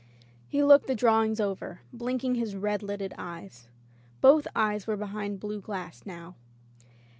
He looked the drawings over, blinking his red lidded eyes. Both eyes were behind blue glass now.